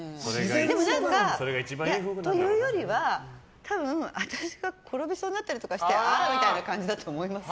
でも何か、というよりは多分私が転びそうになったりとかしてああみたいな感じだと思います。